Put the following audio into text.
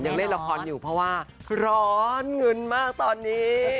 ยังเล่นละครอยู่เพราะว่าร้อนเงินมากตอนนี้